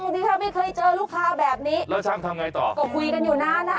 ต่อก็คุยกันอยู่นาน